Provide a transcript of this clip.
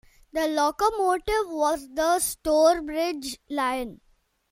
The locomotive was the "Stourbridge Lion".